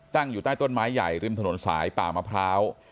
ตั้งอยู่ใต้ต้นไม้ใหญ่ริมถนนสายป่ามะพร้าว